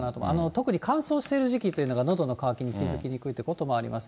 特に乾燥している時期というのが、のどの渇きに気付きにくいということもあります。